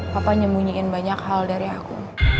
papa nyemunyikan banyak hal dari aku